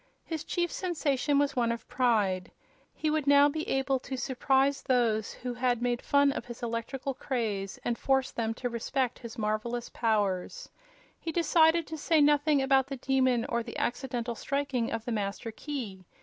His chief sensation was one of pride. He would now be able to surprise those who had made fun of his electrical craze and force them to respect his marvelous powers. He decided to say nothing about the Demon or the accidental striking of the Master Key.